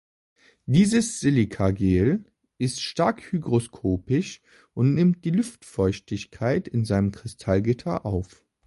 Dieses Silicagel ist stark hygroskopisch und nimmt die Luftfeuchtigkeit in seinem Kristallgitter auf.